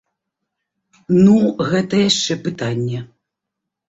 Ну, гэта яшчэ пытанне.